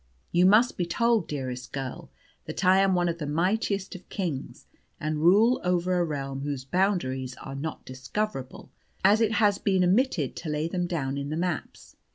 You must be told, dearest girl, that I am one of the mightiest of kings, and rule over a realm whose boundaries are not discoverable, as it has been omitted to lay them down in the maps.